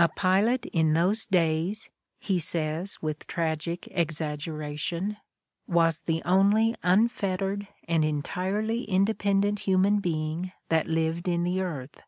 "A pilot in those days," he says, with tragic exaggera tion, "was the only unfettered and entirely independent human being that lived in the earth.